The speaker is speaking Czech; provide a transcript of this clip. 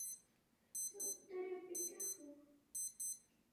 Větvičky jsou hladké a hnědé.